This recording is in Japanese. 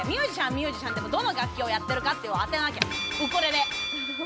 ミュージシャンでも、どの楽器をやってるか当てなきゃ、ウクレレ。